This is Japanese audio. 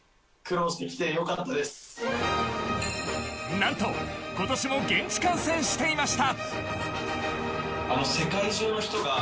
何と今年も現地観戦していました。